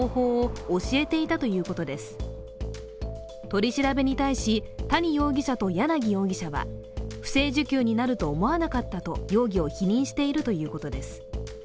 取り調べに対し、谷容疑者と柳容疑者は不正受給になると思わなかったと容疑を否認しているということです。